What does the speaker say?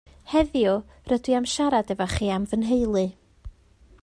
Heddiw rydw i am siarad hefo chi am fy nheulu